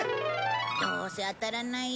どうせ当たらないよ。